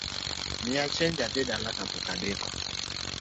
Miya chenj adhi dala kapok odeko